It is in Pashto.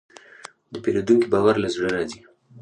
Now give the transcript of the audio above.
د پیرودونکي باور له زړه راځي.